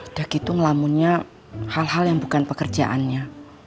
udah gitu ngelamunnya hal hal yang bukan pekerjaannya